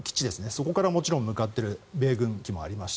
そこからもちろん向かっている米軍機もあります